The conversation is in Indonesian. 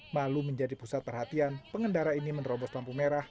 malu menjadi pusat perhatian pengendara ini menerobos lampu merah